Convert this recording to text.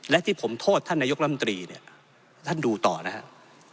และที่ผมโทษท่านนายกรรมตรีเนี่ยท่านดูต่อนะครับ